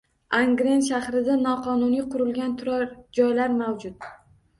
Angren shahrida noqonuniy qurilgan turar-joylar mavjud.